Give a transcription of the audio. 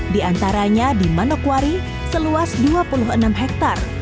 di antaranya di manokwari seluas dua puluh enam hektare